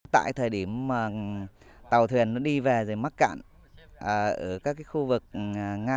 tại thời điểm mà tàu thuyền nó đi về rồi mắc cạn ở các khu vực ngang